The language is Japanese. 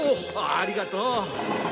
ありがとう。